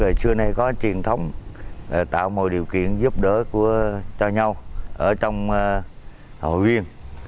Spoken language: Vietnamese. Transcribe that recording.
hồi xưa nay có truyền thông tạo mọi điều kiện giúp đỡ cho nhau ở trong hội viên